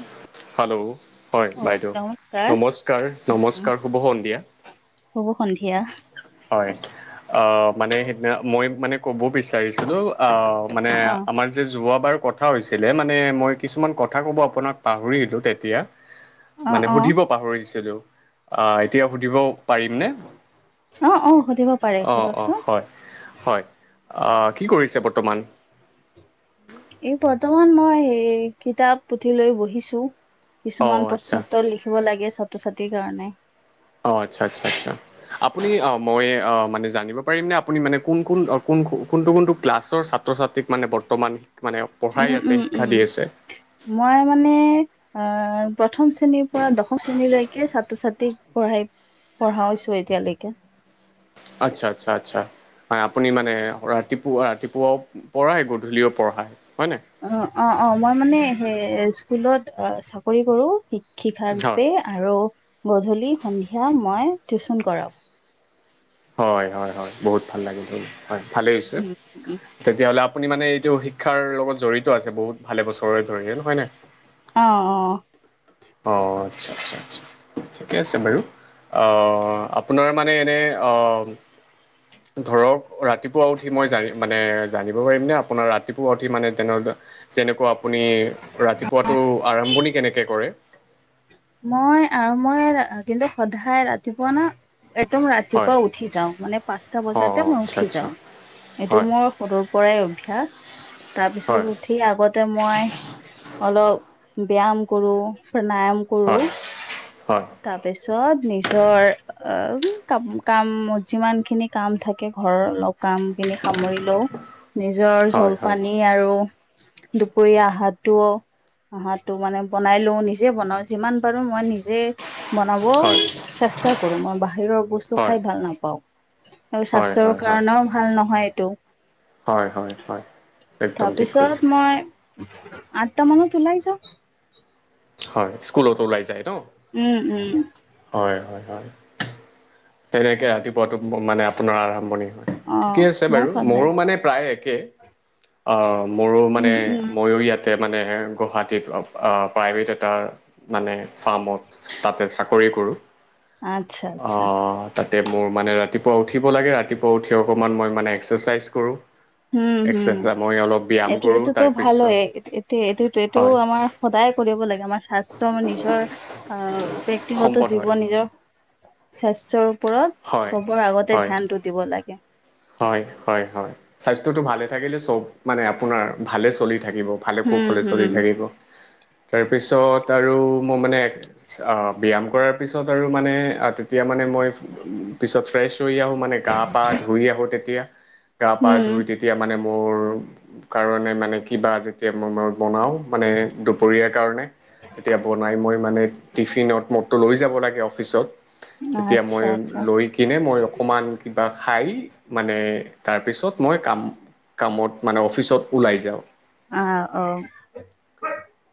Hello hello হয় অ বাইদেউ। নমস্কাৰ নমস্কাৰ নমস্কাৰ শুভ সন্ধিয়া। শুভ সন্ধিয়া। হয় অ' মানে সেইদিনা মই মানে ক'ব বিচাৰিছিলো আহ মানে অ অ আমাৰ যে যোৱবাৰ কথা হৈছিলে, মানে মই কিছুমান কথা ক'ব আপোনাক পাহৰিলো তেতিয়া অ মানে অ সুধিব পাহৰিছিলো, আহ এতিয়া সুধিব পাৰিম নে? অঁ অঁ সুধিব পাৰে অঁ অঁ সোধকচোন হয় হয়। কি কৰিছে বৰ্তমান? এই বৰ্তমান মই সে কিতাপ পুথি লৈ বহিছো। অঁ কিছুমান আচ্ছা প্ৰশ্নোত্তৰ লিখিব লাগে, ছাত্ৰ ছাত্ৰীৰ কাৰণে। অঁ, আচ্ছা আচ্ছা আচছা। আপুনি অঁ মই অঁ মানে জানিব পাৰিম নে আপুনি মানে কোন কোন অঁ কোনটো কোনটো ক্লাছৰ ছাত্ৰ ছাত্ৰ ছাত্ৰীক মানে বৰ্তমান মানে পঢ়াই উম আছে, উম শিক্ষা উম দি আছে? মই মানে আহ প্ৰথম শ্ৰেণীৰ পৰা দশম শ্ৰেণীলৈকে ছাত্ৰ ছাত্ৰীক পঢ়াই পঢ়াই হৈছো এতিয়ালৈকে। আচ্ছা', আচ্ছা', আচ্ছা'। হয়', আপুনি মানে, ৰাতিপুৱা ৰাতিপুৱাও পঢ়াই, গধূলিও পঢ়াই, হয় নাই? অঁ, অঁ, অঁ, মই মানে সে স্কুলত অ' চাকৰি কৰো, হয় শিক্ষিকাৰূপে। আৰু গধূলি স, ন্ধিয়া মই টিউচন কৰাওঁ। হয়', হয়', হয়', বহুত ভাল লাগিল হয়', ভালেই হৈছে। উম, উম, তেতিয়া হ'লে আপুনি মানে এইটো শিক্ষাৰ লগত জড়িত আছে, বহুত ভালে বছৰে ধৰি, হয় নাই? অঁ', অহ'। অহ', আচ্ছা', আচ্ছা', আচ্ছা', ঠিকে আছে বাৰু। অহ', আপোনাৰ মানে এনে অহ' ধৰক ৰাতিপুৱা উঠি মই জাৰি মানে জানিব পাৰিমনে আপোনাৰ ৰাতিপুৱা উঠি মানে তেনৰ যেনেকুৱা আপুনি ৰাতিপুৱাটো আৰম্ভণি কেনেকে কৰে? মই আৰু মই কিন্তু সদায় ৰাতিপুৱা না একদম হয় ৰাতিপুৱা উঠি যাওঁ মানে পাঁচটা অঁ বজাতে অঁ মই আচ্ছা উঠি আচ্ছা যাওঁ, এইটো হয় মোৰ সৰুৰ পৰাই অভ্যাস', তাৰপিছত হয় উঠি আগতে মই অলপ ব্যায়াম কৰো, প্ৰাণায়াম কৰো হয়', হয়'। তাৰপিছত নিজৰ অঁ কা কাম, যিমান খিনি কাম থাকে ঘৰৰ লগ কাম খিনি সামৰি লওঁ, নিজৰ হয় হয় জলপানী আৰু দুপৰীয়া আহাৰটো, আহাৰটো মানে বনাই লওঁ, নিজে বনাও। যিমান পাৰো, মই নিজে বনাব হয় চেষ্টা কৰোঁ, মই বাহিৰৰ বস্তু খায় হয় ভাল নাপাওঁ। আৰু হয় স্বাস্থ্যৰ কাৰণেও ভাল নহয় এইটো। হয় হয় হয়'। একদম ঠিক কৈছে তাৰপিছত মই আঠটা মানত ওলাই যাওঁ। হয় স্কুলত ওলাই যায় ন? উম উম। হয় হয় হয়। তেনেকে ৰাতিপুৱাতো মানে আপোনাৰ আৰম্ভণি হয়, অ ঠিকে আছে মোৰ বাৰু সদায় মোৰো মানে প্ৰায় অ মোৰো মানে উম উম মইও ইয়াত তে মানে গুৱাহাটীত প্ৰাইভেট এটাৰ মানে ফাৰ্মত তাতে চাকৰি কৰো, আচ্ছা অ আচ্ছা অঁ তাতে মোৰ মানে ৰাতিপুৱা উঠিব লাগে ৰাতিপুৱা উঠি অকণমান মই মানে এক্সাৰচাইজ কৰোঁ। উম হুম এক্সাৰচাইজ মই অলপ ব্যায়াম এইটো কৰোঁ এইটোতো ভাল তাৰপিছত হয়, এইটো এইটোত এইটো হয় আমাৰ সদায় কৰিব লাগে আমাৰ স্বাস্থ্যৰ নিজৰ আহ ব্যক্তিগত সম্পদ হয়। জীৱন নিজৰ স্বাস্থ্যৰ ওপৰত হয়, চবৰ আগতে হয়, ধ্যানটো দিব লাগে। হয় হয় হয় স্বাস্থ্যটো ভালে থাকিলে চব মানে আপোনাৰ ভালে চলি থাকিব। ভালে হুম কুশলে চলি হুম থাকিব তাৰপিছত আৰু মই মানে অ ব্যায়াম কৰাৰ পিছত আৰু মানে তেতিয়া মানে মই উ পিছত ফ্ৰেছ হৈ আহো মানে গা পা ধু তেতিয়া গা পা ধুই হুম। তেতিয়া মানে মোৰ কাৰণে মানে কিবা যেতিয়া মই মই বনাও মানে দুপৰীয়াৰ কাৰণে তেতিয়া বনাই মই মানে টিফিনত মোৰতো লৈ যাব লাগে অফিচত তেতিয়া মই আচ্ছা আচ্ছা লৈ কিনে মই অকমান কিবা খায় মানে তাৰপিছত মই কাম কামত মানে অফিচত ওলাই যাওঁ। আ অ।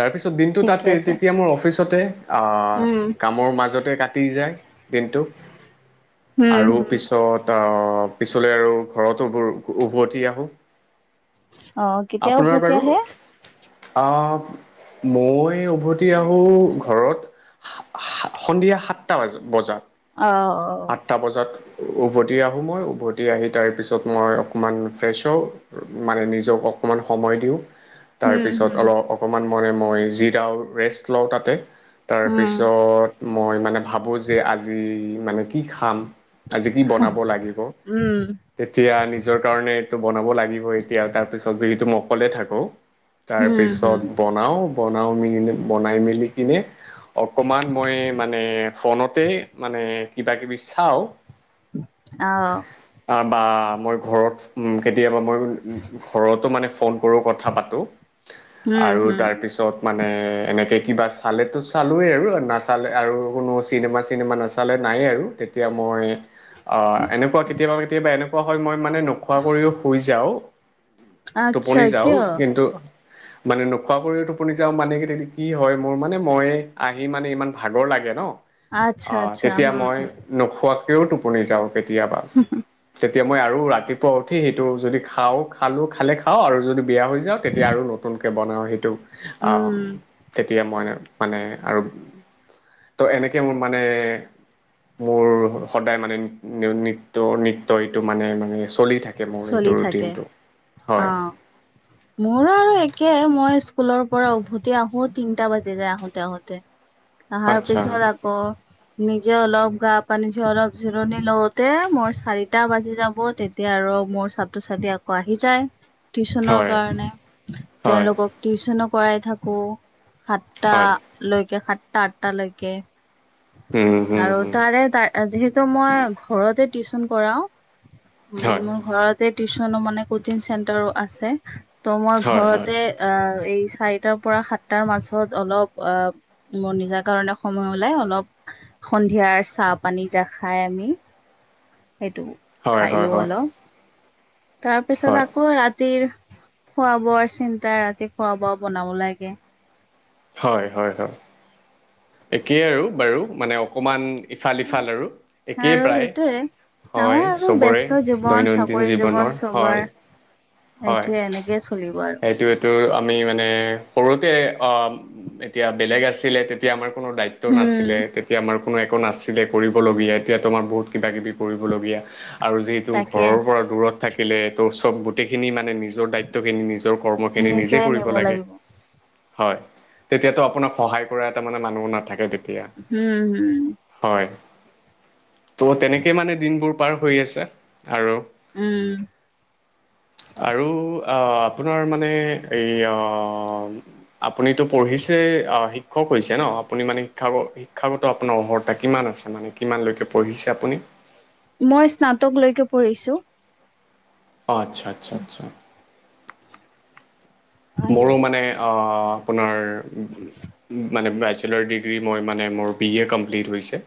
তাৰপিছত দিনটো ঠিকে তাতেই আছে। তেতিয়া মোৰ অফিচতে অ উম কামৰ মাজতে কাটি যায় দিনটো। হুম আৰু হুম। পিছত অহ পিছলৈ আৰু ঘৰতোবোৰ উভতি আহো। অ কেতিয়া আপোনাৰ উভতি বাৰু আহে অহ। মই উভতি আহোঁ ঘৰত [unintelligible] সন্ধিয়া সাতটা ব বজাত। অ অ। টা বজাত উভতি আহোঁ মই, উভতি আহি তাৰ পিছত মই অকণমান ফ্ৰেছ হওঁ উম মানে নিজক অকণমান সময় দিওঁ। হুম তাৰপিছত হুম অলপ অকণমান মানে মই জিৰাও ৰেষ্ট লওঁ তাতে। হুম তাৰপিছত মই মানে ভাবোঁ যে আজি মানে কি খাম আজি কি বনাব লাগিব? উম তেতিয়া নিজৰ কাৰণে এইটো বনাব লাগিব এতিয়া তাৰ পিছত যিহেতু মই অকলে থাকো। হুম হুম। তাৰপিছত বনাওঁ, বনাওঁ মে বনাই মেলি কিনে অকমান মই মানে ফনতে মানে কিবা কিবি চাওঁ। আ অ। তা বা মই ঘৰত উম কেতিয়াবা মই উম ঘৰতো মানে ফোন কৰোঁ কথা পাতোঁ হুম আৰু হুম তাৰপিছত মানে এনেকে কিবা চালেতো চালোৱেই আৰু নাচালে আৰু কোনো চিনেমা - চিনেমা নাচ চালে নাই আৰু তেতিয়া মই অ এনেকুৱা কেতিয়াবা কেতিয়াবা এনেকুৱা হয় মই মানে নোখোৱা কৰিও শুই যাও আচ্ছা টোপনি যাওঁ কিয় কিন্তু মানে নোখোৱা কৰিও টোপনি যাওঁ মানে কেতিয়া কি হয় মোৰ মানে মই আহি মানে ইমান ভাগৰ লাগে ন আচ্ছা আহ আচ্ছা তেতিয়া হুম মই হুম নোখোৱাকেও টোপনি যাও কেতিয়াবা, কে তিয়া মই আৰু ৰাতিপুৱা উঠি সেইটো যদি খাওঁ, খালোঁ খালে খাওঁ আৰু যদি বেয়া হৈ যাওঁ তেতিয়া আৰু ন তুনকে বনাওঁ সেইটো আম উম। তেতিয়া মই মানে আৰু ত এনেকে মোৰ মানে মোৰ স সদায় মানে নি নি নিত্য নিত্য এইটো মানে মানে চ চলি থাকে মোৰ চলি এইটো থাকে ৰুটিনটো অ। হয়। মোৰো আৰু একে, মই স্কুলৰ পৰা উভতি আহো তিনটা বাজি যায় আহোতে আহোতে। [inaudible] আহাৰ পিছত আকৌ নিজে অলপ গা পানী জিৰ অলপ জিৰণি লওতে, মোৰ চাৰিটা বাজি যাব তেতিয়া আৰু মোৰ ছাত্ৰ - ছাত্ৰী আকৌ আহি যায় টিউছনৰ হয় কাৰণে হয় তেওঁলোকক টিউচনো কৰাই থাকো, সাতটা হয় লৈকে সাতটা, আঠটা লৈকে। হুম, হুম, আৰু হুম, তাৰে তাৰ যিহেতু মই ঘৰতে টিউচন কৰাও হয় উম তে টিউচনো মানে কচিং চেণ্টাৰো আছে, ত' মই হয় হয় ঘৰতে আহ এই চাৰিটাৰ পৰা সাতটাৰ মাজত অলপ অ মোৰ নিজা কাৰণে সময় ওলাই অলপ সন্ধিয়াৰ চাহ - পানী যা খাই আমি সেইটো। হয় খাই হয় লও হয় অল তাৰ পিছত হয় আকৌ ৰাতিৰ, খোৱা - বোৱাৰ চিন্তা ৰাতি খোৱা - বোৱা বনাব লাগে। হয় হয় হয়। একেই আৰু বাৰু মানে অকমান ইফাল সিফাল আৰু একেই আৰু প্ৰায়। সেইটোয়ে। আমাৰ হয় আৰু চবৰে, ব্যস্ত জীৱন দৈনন্দিন চাকৰি জীৱনৰ হয়। এইটোৱে এনেকে চলিব আৰু। টো আমি মানে সৰুতে আহ এতিয়া বেলেগ আছিলে তেতিয়া আমাৰ কোনো দায়িত্ব উম, নাছিলে তেতিয়া আমাৰ কোনো একো নাছিলে কৰিবলগীয়া এতিয়া তোমাৰ বহুত কিবা কিবি কৰিবলগীয়া আৰু যিহেতু তাকে ঘৰৰ পৰা দূৰত থাকিলে, তোৰ চব গোটেইখিনি মানে নিজৰ দায়িত্বখিনি নিজৰ কৰ্মখিনি নিজে কৰিব নিব লাগে। লাগিব। হয়, তেতিয়াতো আপোনাক সহায় কৰা এটা মানে মানুহ নাথাকে তেতিয়া। হুম, হুম। হয়, ত' তেনেকে মানে দিনবোৰ পাৰ হৈ আছে আৰু। উম। আৰু অ' আপোনাৰ মানে এই আ আপুনিতো পঢ়িছে, অ' শিক্ষক হৈছে ন' আপুনি মানে শিক্ষ শিক্ষাগত আপোনাৰ অৰ্হতা কিমান আছে মানে কিমানলৈকে পঢ়িছে আপুনি? মই স্নাতকলৈকে পঢ়িছোঁ। অ' আচ্ছা আচ্ছা আচ্ছা। আৰু মোৰো মানে অ' আপোনাৰ মানে বেচেলৰ ডিগ্ৰী মই মানে মোৰ বি এ কমপ্লিট হৈছে।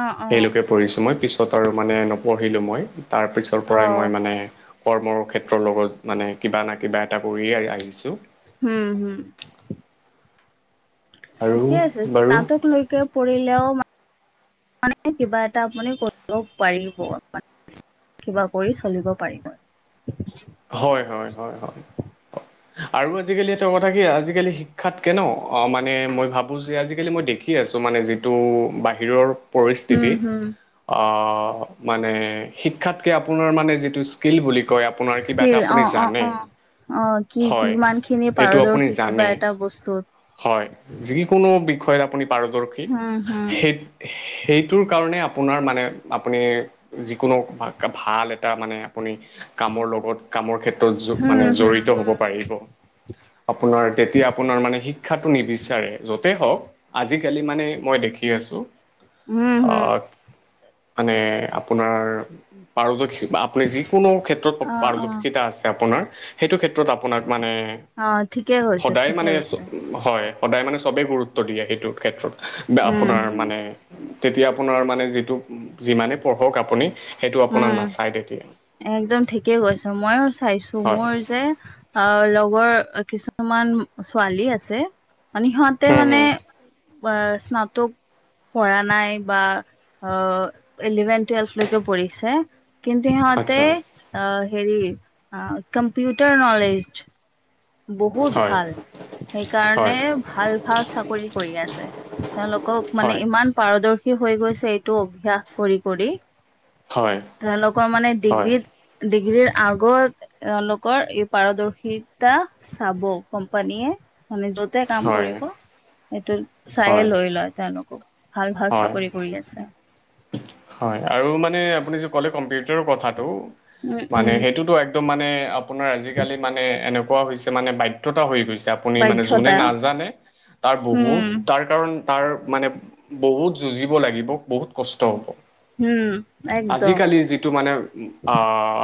অ', অ', সেইলৈকে পঢ়িছোঁ মই, পিছত আৰু মানে নপঢ়িলোঁ মই। তাৰপিছৰ পৰাই মই অ', মানে কৰ্মৰ ক্ষেত্ৰৰ লগত মানে কিবা না কিবা এটা কৰিয়ে আহি ছোঁ। হু, হু। আৰু ঠিকে আছে, বাৰু স্নাতকলৈকে পঢ়িলেও মানে কিবা এটা আপুনি কৰিব পাৰিব [unintelligible] কিবা কৰি চলিব পাৰিব। হয় হয় হয় হয়। আৰু আজিকালি এটা কথা কি আজিকালি শিক্ষাতকে ন' অ' মানে মই ভাবোঁ যে আজিকালি মই দেখ শিকি আছোঁ মানে যিটো বাহিৰৰ উম, পৰিস্থিতি হম। অ' মানে শিক্ষাতকে আপোনাৰ মানে যিটো স্কিল বুলি কয় আপোনাৰ কিবা এটা স্কিল আপুনি অ', অ', জানে অ'। অ' কি হয় কিমানখিনি এইটো আপুনি পাৰদৰ্শিতা জানে বা এটা বস্তুত। হয়, যিকোনো বিষয়ত আপুনি হম, হম। পাৰদৰ্শিক সেই সেইটোৰ কাৰণে আপোনাৰ মানে আপুনি যিকোনো ভাল এটা মানে আপুনি কামৰ লগত কামৰ ক্ষেত্ৰত জ হম, মানে হম, জড়িত হ'ব হম, পাৰিব। আপোনাৰ তেতিয়া আপোনাৰ মানে শিক্ষাটো নিবিচাৰে য'তে হওঁক। আজিকালি মানে মই দেখি আছোঁ। হম, হম, অ' মানে আপোনাৰ পাৰদৰ্শি আপ আপুনি যিকোনো ক্ষেত্ৰত অ', অ', পাৰদৰ্শিতা আছে আপোনাৰ সেইটো ক্ষেত্ৰত আপোনাক মানে, অ', ঠিকে কৈছে, সদায় ঠিকে মানে কৈছে। হয় সদায় মানে চবে গুৰুত্ব দিয়ে সেইটো ক্ষেত্ৰত বা উম, আপোনাৰ উম, মানে তেতিয়া আপোনাৰ মানে যিটো যিমানেই পঢ়ক আপুনি সেইটো আপোনাৰ উম। নাচাই তেতিয়া। একদম ঠিকেই কৈছে। ময়ো চাইছোঁ হয় মোৰ যে অ' লগৰ কিছুমান ছোৱালী আছে মানে সিহঁতে হুম মানে হুম অ' স্নাতক পঢ়া নাই বা অ' ইলেভেন টুৱেলভলৈকে পঢ় ছে কিন্তু সিহঁতে আচ্ছা অ' হেৰি আ, কম্পিউটাৰ ন'লেজ বহুত হয় ভাল সেইকাৰণে হয় ভাল ভাল চাকৰি কৰি আছে। তেওঁলোকক মানে হয় ইমান পাৰদৰ্শি হৈ গৈছে এইটো অভ্যাস কৰি কৰি, হয় তেওঁলোকৰ মানে হয় ডিগ্ৰীত ডিগ্ৰীৰ আগত এওঁলোকৰ এই পাৰদৰ্শিত তা চাব কোম্পানীয়ে। মানে য'তে কাম হয় কৰিব সেইটো চায়ে হয় লৈ লয় তেওঁলোকক। ভাল ভাল হয় চাকৰি কৰি লে আছে। হয় আৰু মানে আপুনি যে ক'লে কম্পিউটাৰ' কথাটো উম মানে উম সেইটোতো এক [unintelligible] মানে আপোনাৰ আজিকালি মানে এনেকুৱা হৈছে মানে বাধ্যতা হৈ গৈছে আপ আপুনি মানে যোনে বাধ্যতা নাজানে তাৰ বহুত উম তাৰ কাৰণ তাৰ মানে বহুত যুঁজিব লাগিব বহুত কষ্ট হ'ব। উম একদম আজিকালিৰ যিটো মানে আ,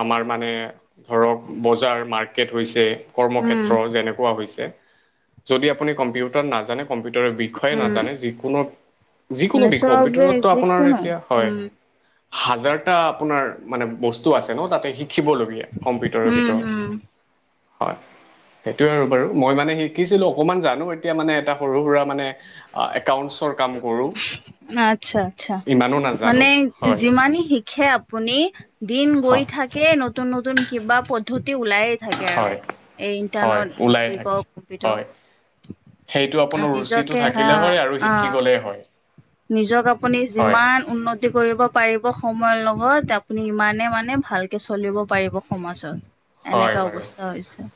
আমাৰ মানে ঘৰক বজাৰ মাৰ্কেট হৈছে উম কৰ্মক্ষেত্ৰ যেনেকুৱা হৈছে যদি আপুনি কম্পিউটাৰ নাজানে কম্পিউটাৰৰ বিখয়ে উম নাজানে যিকোনো মানে যিকোনো বিষ চবে কম্পিউটাৰততো আপোনাৰ যিকোনো এতিয়া হয়। উম হাজাৰটা আপোনাৰ মানে বস্তু আছে ন তাতে শিখিবলগী [unintelligible] কম্পিউটাৰৰ হম হম ভিতৰত হয়। সেটোৱে আৰু বাৰু মই মানে শিকিছিলোঁ অকমান জানো এতিয়া মানে এটা সৰু সুৰা মানে আ, একাউণ্টছৰ কাম কৰোঁ। না আচ্ছা। ইমানো [unintelligible] নাজানো মানে হয় যিমানে শিখে আপুনি দিন গৈ হয় থাক [unintelligible] নতুন নতুন কিবা পদ্ধতি ওলাই থাকে আৰু হয় এই হয় ইণ্টাৰনট ওলাই থাকে [unintelligible] কম্পিউটাৰ হয় সেইটো হা আপোনাৰ ৰুচিটো নিজকে হা থাকিলে হয় আৰু অ', শিকি অ', গ'লেই হয় নিজক আপুনি হয় যিমান উন্নতি কৰিব পাৰিব সময়ৰ লগত আপুনি ইমানে মানে ভালকে চলিব পাৰিব। সমাচত হয় এনেকা বাৰু অৱস্থা হৈছে।